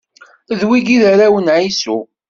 D wigi i d arraw n Ɛisu.